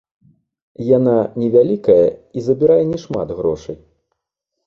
Яна не вялікая і забірае не шмат грошай.